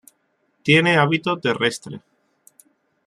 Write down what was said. Tiene hábito terrestre.